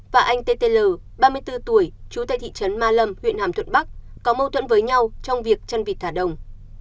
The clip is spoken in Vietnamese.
và anh ttl ba mươi bốn tuổi chú tại thị trấn ma lâm huyện hàm thuận bắc có mâu thuẫn với nhau trong việc chăn vịt thả đồng